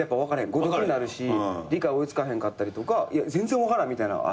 誤読になるし理解追い付かへんかったりとか全然分からんみたいなあるけど。